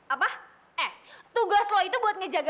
apa eh tugas lo itu buat ngejar gue